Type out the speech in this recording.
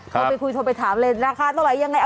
เข้าไปคุยโทรไปถามเลยนะคะตลอดไว้ยังไง